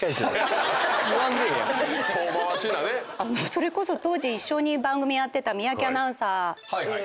それこそ当時一緒に番組やってた三宅アナウンサーに。